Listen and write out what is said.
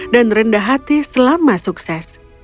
dan rendah hati selama sukses